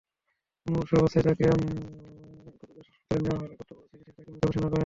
মুমূর্ষু অবস্থায় তাঁকে গুরুদাসপুর হাসপাতালে নেওয়া হলে কর্তব্যরত চিকিৎসক তাঁকে মৃত ঘোষণা করেন।